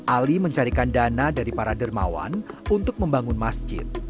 ali mencarikan dana dari para dermawan untuk membangun masjid